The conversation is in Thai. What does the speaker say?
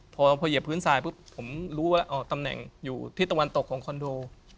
พอเหยียบพื้นทรายปุ๊บผมรู้ว่าตำแหน่งอยู่ที่ตะวันตกของคอนโด